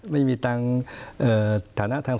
ไม่มีตังค์ฐานะทาง